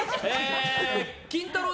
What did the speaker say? キンタロー。